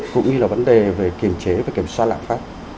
cũng như là vấn đề về kiểm chế và kiểm soát lãng phát